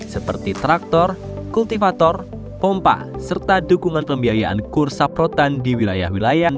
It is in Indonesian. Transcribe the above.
seperti traktor kultifator pompa serta dukungan pembiayaan kursaprotan di wilayah wilayah